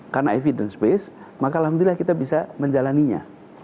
karena evidence based maka alhamdulillah kita bisa menjalannya